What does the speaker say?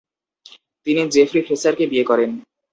তিনি জেসি ফ্রেসারকে বিয়ে করেন।